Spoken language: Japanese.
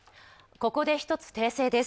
ここで一つ訂正です。